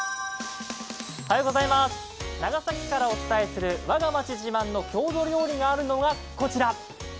長崎からお伝えする我が町自慢の郷土料理があるのがこちら。